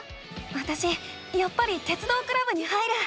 わたしやっぱり鉄道クラブに入る。